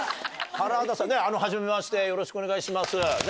原田さんはじめましてよろしくお願いします。